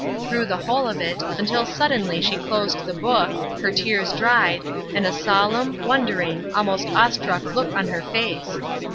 Through the whole of it, until suddenly she closed the book, her tears dried, and a solemn, wondering, almost awe struck look on her face.